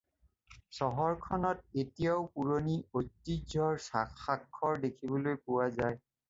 চহৰখনত এতিয়াও পুৰণি ঐতিহ্যৰ স্বাক্ষৰ দেখিবলৈ পোৱা যায়।